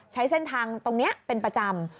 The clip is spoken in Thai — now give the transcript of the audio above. ใช้เส้นทางตรงนี้เป็นประจำ